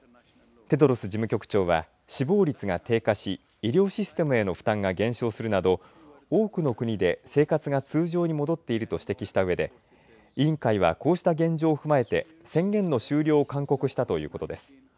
テドロス事務局長は死亡率が低下し医療システムへの負担が減少するなど多くの国で生活が通常に戻っていると指摘したうえで委員会はこうした現状を踏まえて宣言の終了を勧告したということです。